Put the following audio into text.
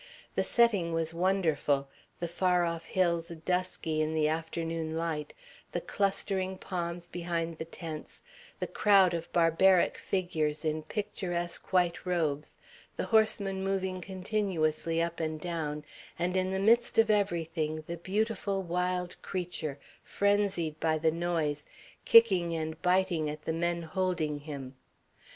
The setting was wonderful, the far off hills dusky in the afternoon light, the clustering palms behind the tents, the crowd of barbaric figures in picturesque, white robes, the horsemen moving continuously up and down, and in the midst of everything the beautiful, wild creature, frenzied by the noise, kicking and biting at the men holding him.